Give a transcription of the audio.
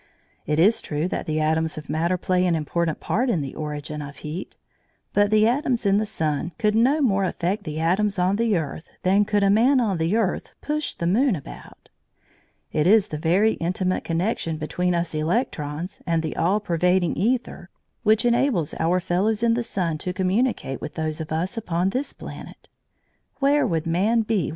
It is true that the atoms of matter play an important part in the origin of heat, but the atoms in the sun could no more affect the atoms on the earth than could a man on the earth push the moon about. It is the very intimate connection between us electrons and the all pervading æther which enables our fellows in the sun to communicate with those of us upon this planet. Where would man be without us?